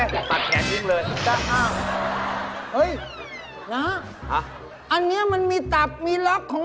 บุคคลเราเนี่ยอยู่เป็น